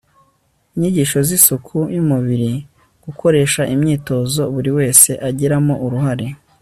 inyigisho z isuku y umubiri, gukoresha imyitozo buri wese agiramo uruhare